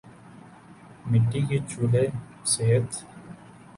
مٹی کے چولہے صحت